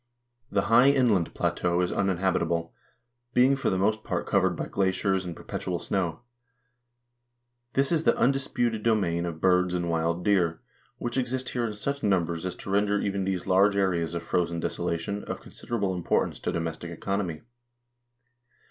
The high inland plateau is uninhabitable, being for the most part covered by glaciers and perpetual snow. This is the undis puted domain of birds and wild deer, which exist here in such num bers as to render even these large areas of frozen desolation of con siderable importance to domestic economy.